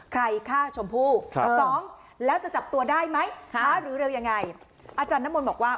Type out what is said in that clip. ใครฆ่าชมพู่สองแล้วจะจับตัวได้ไหมคะหรือเร็วยังไงอาจารย์น้ำมนต์บอกว่า